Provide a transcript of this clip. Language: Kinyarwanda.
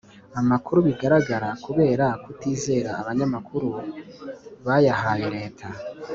amakuru bagiraga, kubera kutizera abanyamakuru bayahaye leta